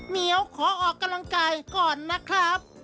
เหี่ยวขอออกกำลังกายก่อนนะครับ